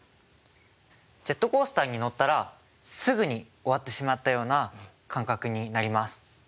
ジェットコースターに乗ったらすぐに終わってしまったような感覚になります。